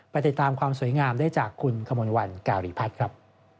ติดตามความสวยงามได้จากคุณขมลวันการีพัฒน์ครับ